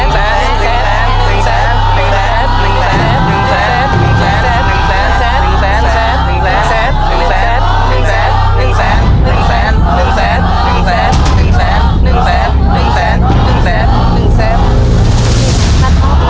๑แสน๑แสน